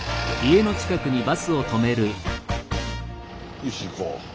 よし行こう。